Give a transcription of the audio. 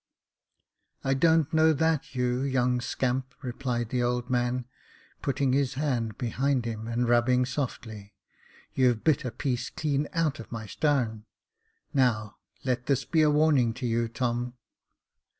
" I don't know that, you young scamp," replied the old man, putting his hand behind him, and rubbing softly ; you've bit a piece clean out of my starn. Now, let this be a warning to you, Tom.